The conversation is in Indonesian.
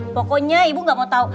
pokoknya ibu gak mau tau